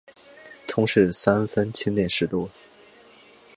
同事三分亲恋事多。